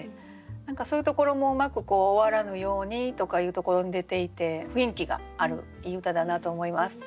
何かそういうところもうまく「終わらぬように」とかいうところに出ていて雰囲気があるいい歌だなと思います。